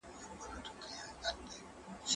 دا اوبه له هغه روښانه دي